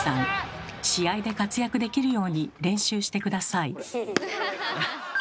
試合で活躍できるように練習して下さい。